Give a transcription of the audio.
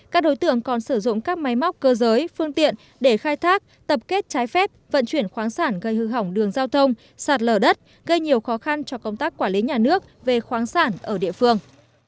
các đối tượng còn sử dụng các máy móc cơ giới phương tiện để khai thác tập kết trái phép vận chuyển khoáng sản gây hư hỏng đường giao thông sạt lở đất gây nhiều khó khăn cho công tác quản lý nhà nước về khoáng sản ở địa phương